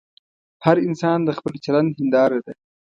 هر انسان د خپل چلند هنداره ده.